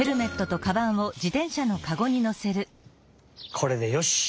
これでよし！